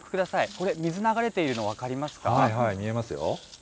これ、水流れているの分かります見えますよ。